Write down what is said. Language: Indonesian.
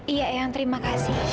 iya ayang terima kasih